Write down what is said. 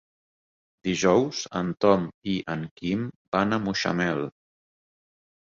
Dijous en Tom i en Quim van a Mutxamel.